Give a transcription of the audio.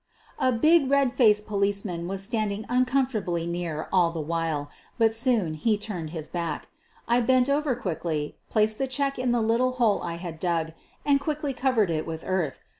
A big red faced policeman was standing uncomfortably near all the while, but soon he turned his back. I bent over quickly, placed the check in the little hole I had dug, and quickly cov ered it with earth.